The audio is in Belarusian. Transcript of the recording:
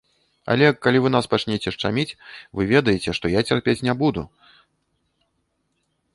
Але калі вы нас пачнеце шчаміць, вы ведаеце, што я цярпець не буду.